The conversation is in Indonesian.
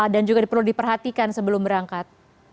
dan juga perlu diperhatikan sebelum berangkat